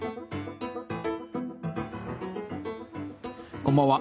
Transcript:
こんばんは。